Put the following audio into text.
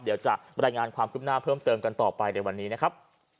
เดี๋ยวจะรายงานความคืบหน้าเพิ่มเติมกันต่อไปในวันนี้นะครับ